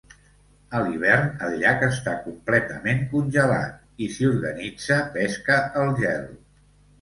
A l'hivern, el llac està completament congelat, i s'hi organitza pesca al gel.